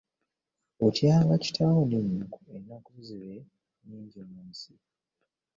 Otyanga kitaawo ne nnyoko ennaku zo zibe nnyingi mu nsi.